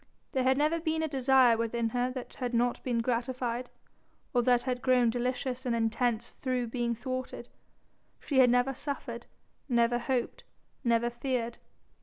There had never been a desire within her that had not been gratified or that had grown delicious and intense through being thwarted; she had never suffered, never hoped, never feared.